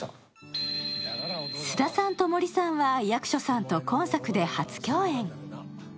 菅田さんと森さんは役所さんと今作で初共演。